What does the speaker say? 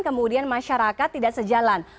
kemudian masyarakat tidak sejalan